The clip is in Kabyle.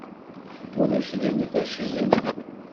Ulac din d ifaciyen.